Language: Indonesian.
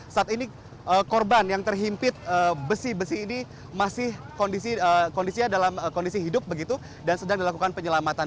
saat ini korban yang terhimpit besi besi ini masih kondisinya dalam kondisi hidup begitu dan sedang dilakukan penyelamatan